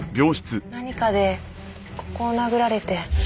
何かでここを殴られて。